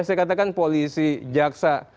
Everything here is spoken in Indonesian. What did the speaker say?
saya katakan polisi jaksa